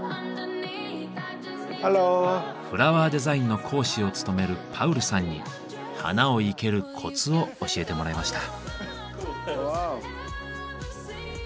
フラワーデザインの講師を務めるパウルさんに花を生けるコツを教えてもらいました。